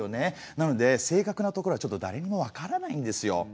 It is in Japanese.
なので正確なところはちょっとだれにもわからないんですよ。